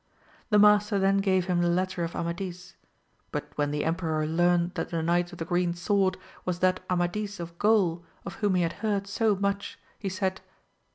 The master then gave him the letter of Amadis, but when the emperor learnt that the Knight of the Green Sword was that Amadis of Gaul of whom he had heard so much, he said.